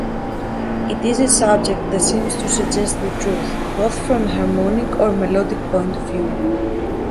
It is a subject that seems to suggest the truth, both from a harmonic or melodic point of view.